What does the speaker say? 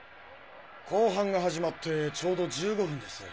後半が始まってちょうど１５分です。